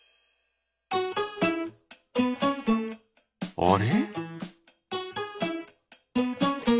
あれ？